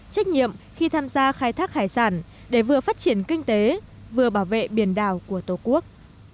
trách nhiệm khi tham gia khai thác hải sản để vừa phát triển kinh tế vừa bảo vệ biển đảo của tổ quốc